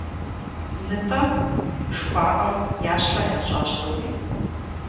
«НтӀэ», жыхуаӀэу, я щхьэр ящӀащ тӀуми.